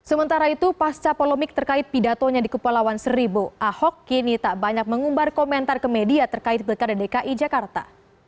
sementara itu pasca polemik terkait pidatonya di kepulauan seribu ahok kini tak banyak mengumbar komentar ke media terkait pilkada dki jakarta